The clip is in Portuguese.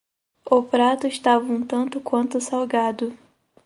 O prato estava um tanto quanto salgado